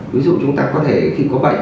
ví dụ chúng ta có thể khi có bệnh